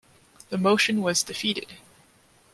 The motion was defeated.